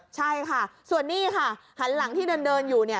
ใช่ค่ะส่วนนี้ค่ะหันหลังที่เดินอยู่เนี่ย